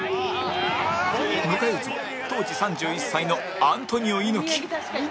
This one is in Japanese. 迎え撃つは当時３１歳のアントニオ猪木